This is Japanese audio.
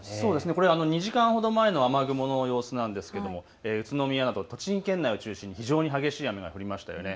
これ、２時間ほど前の雨雲の様子ですが宇都宮など栃木県内を中心に非常に強い雨が降りましたね。